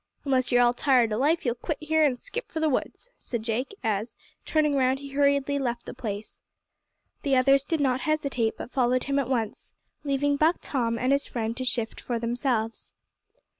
"Unless you're all tired o' life you'll quit here an' skip for the woods," said Jake, as, turning round, he hurriedly left the place. The others did not hesitate, but followed him at once, leaving Buck Tom, and his friend to shift for themselves.